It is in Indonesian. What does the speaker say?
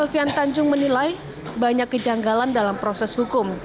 alfian tanjung menilai banyak kejanggalan dalam proses hukum